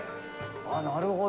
なるほど。